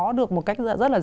có được một cách rất là dễ dàng